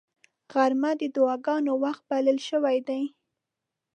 غرمه د دعاګانو وخت بلل شوی دی